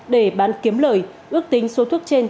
để bán kiếm lời ước tính số thuốc trên